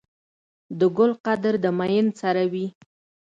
د ګل قدر د ميئن سره وي.